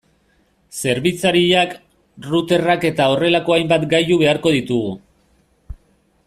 Zerbitzariak, routerrak eta horrelako hainbat gailu beharko ditugu.